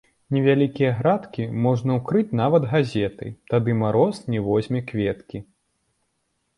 Невялікія градкі можна укрыць нават газетай, тады мароз не возьме кветкі.